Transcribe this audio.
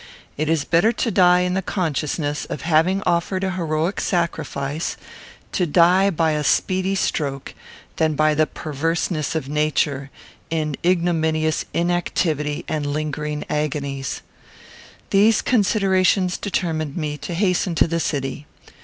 It is better to die in the consciousness of having offered an heroic sacrifice, to die by a speedy stroke, than by the perverseness of nature, in ignominious inactivity and lingering agonies. These considerations determined me to hasten to the city.